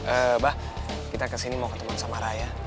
eh mbah kita kesini mau ketemu sama raya